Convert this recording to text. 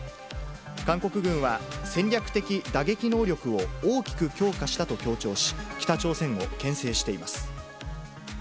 韓国軍は、戦略的打撃能力を大きく強化したと強調し、北朝鮮をけん制しています。